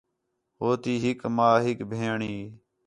ہو تی ہِک ماں، ہِک بھیݨ ہَئی